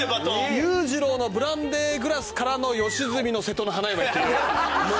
裕次郎の『ブランデーグラス』からの良純の『瀬戸の花嫁』っていう。